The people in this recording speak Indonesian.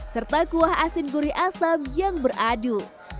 serta kuah asin gurih asam yang beradu